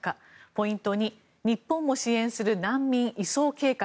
ポイント２、日本も支援する難民移送計画。